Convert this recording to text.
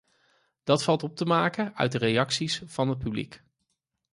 Dat valt op te maken uit de reacties van het publiek.